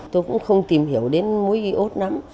tôi cũng không tìm hiểu đến muối iốt lắm